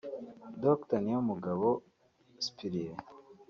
Dr Niyomugabo Cyprien